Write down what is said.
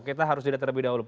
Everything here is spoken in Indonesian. kita harus jeda terlebih dahulu